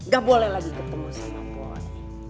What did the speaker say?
gak boleh lagi ketemu sama puan